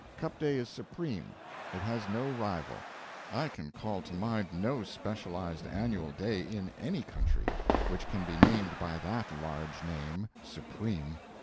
Cup Day is supreme it has no rival. I can call to mind no specialized annual day, in any country, which can be named by that large name Supreme.